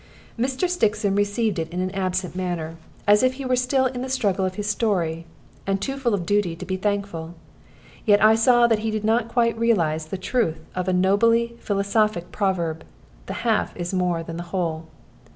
Mr. Stixon received it in an absent manner, as if he were still in the struggle of his story, and too full of duty to be thankful. Yet I saw that he did not quite realize the truth of a nobly philosophic proverb "the half is more than the whole."